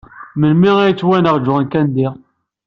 Melmi ay yettwenɣ John Kennedy?